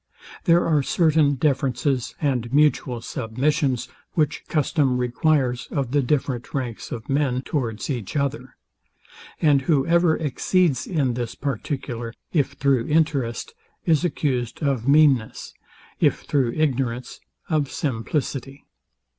There are certain deferences and mutual submissions, which custom requires of the different ranks of men towards each other; and whoever exceeds in this particular, if through interest, is accused of meanness; if through ignorance, of simplicity.